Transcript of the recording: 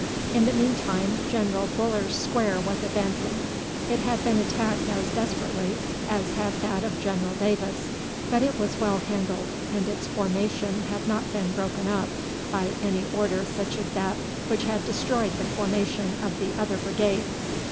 In the meantime General Buller's square was advancing. It had been attacked as desperately as had that of General Davis; but it was well handled, and its formation had not been broken up by any order such as that which had destroyed the formation of the other brigade.